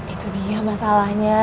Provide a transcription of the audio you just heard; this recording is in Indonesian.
itu dia masalahnya